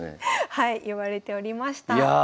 はい呼ばれておりました。